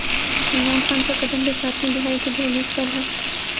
عمران خان کا قدم بھی ساتویں دھائی کی دہلیز پر ہے۔